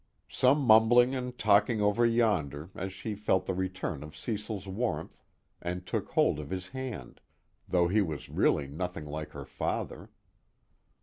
_ Some mumbling and talking over yonder, as she felt the return of Cecil's warmth, and took hold of his hand, though he was really nothing like her father.